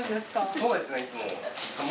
そうですねいつも。